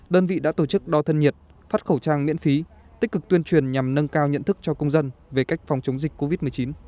đơn vị đã tổ chức đo thân nhiệt phát khẩu trang miễn phí tích cực tuyên truyền nhằm nâng cao nhận thức cho công dân về cách phòng chống dịch covid một mươi chín